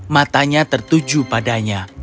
matanya tertuju padanya